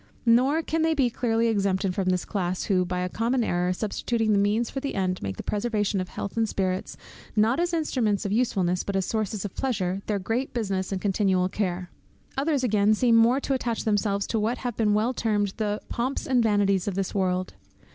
Nor can they be clearly exempted from this class, who, by a common error, substituting the means for the end, make the preservation of health and spirits, not as instruments of usefulness, but as sources of pleasure, their great business and continual care. Others again seem more to attach themselves to what have been well termed the 'pomps and vanities of this world.'